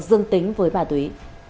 dương tính với ma túy